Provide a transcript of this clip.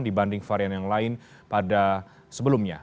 dibanding varian yang lain pada sebelumnya